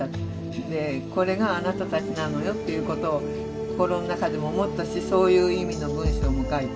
これがあなたたちなのよっていうことを心の中でも思ったしそういう意味の文章も書いた。